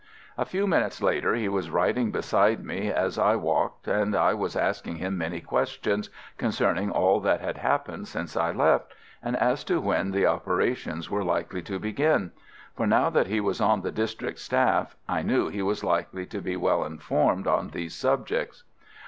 A few minutes later he was riding beside me as I walked, and I was asking him many questions concerning all that had happened since I left, and as to when the operations were likely to begin; for now that he was on the District staff I knew he was likely to be well informed on these subjects.